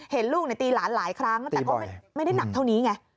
เห็นลูกตีหลานหลายครั้งแต่ก็ไม่ได้หนักเท่านี้ไง